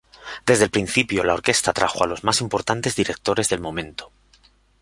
Desde el principio, la orquesta atrajo a los más importantes directores del momento.